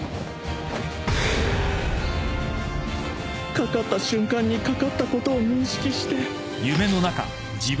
かかった瞬間にかかったことを認識して